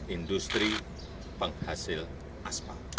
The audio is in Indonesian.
industri penghasil aspa